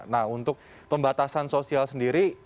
nah untuk pembatasan sosial sendiri